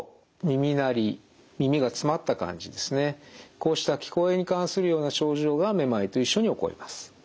こうした聞こえに関するような症状がめまいと一緒に起こります。